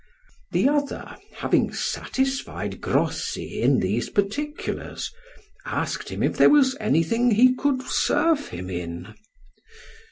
The other, having satisfied Grossi in these particulars, asked him if there was anything he could serve him in?